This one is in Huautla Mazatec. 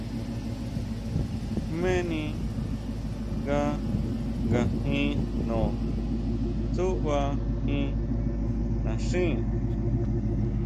¿Jméni nga ngajin jno tsuʼbajín naxín?